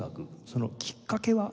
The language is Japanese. そのきっかけは？